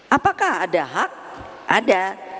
apakah ada hak ada